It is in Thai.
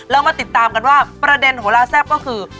เรามาติดตามกันว่าประเด็นโหลาแซ่บก็คือ